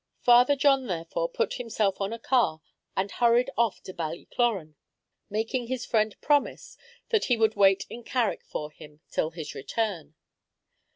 Father John therefore put himself on a car and hurried off to Ballycloran, making his friend promise that he would wait in Carrick for him till his return.